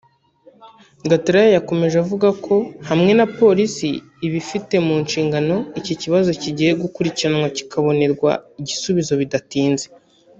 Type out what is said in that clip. Gatarayiha yakomeje avuga ko hamwe na Polisi ibifite mu nshingano iki kibazo kigiye gukurikiranwa kikabonerwa igisubizo bidatinze